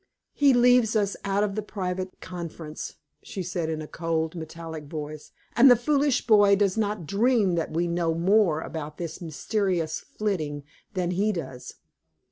"He leaves us out of the private conference," she said in a cold, metallic voice, "and the foolish boy does not dream that we know more about this mysterious flitting than he does.